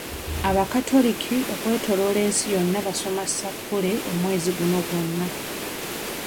Abakatoliki okwetooloola nsi yonna basoma ssappule omwezi guno gwonna.